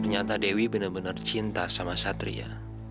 ternyata dewi bener bener cinta sama satria